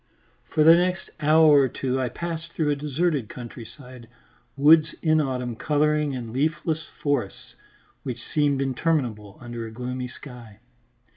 For the next hour or two I passed through a deserted countryside, woods in autumn colouring and leafless forests which seemed interminable under a gloomy sky.